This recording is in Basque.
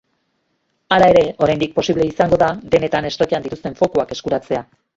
Hala ere, oraindik posible izango da denetan stockean dituzten fokuak eskuratzea.